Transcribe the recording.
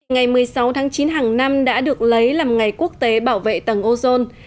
ngày một mươi sáu tháng chín hàng năm đã được lấy làm ngày quốc tế bảo vệ tầng ozone